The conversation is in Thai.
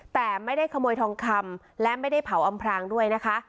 แต่ไม่ได้ขโมยทองคำและไม่ได้เผาอำพรางด้วยนะคะ